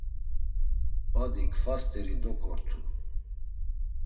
Badi kfa st̆eri doǩortu.